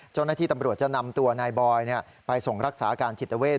เจ้าหน้าที่ตำรวจจะนำตัวนายบอยไปส่งรักษาอาการจิตเวท